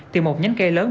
thì một nhánh cây lớn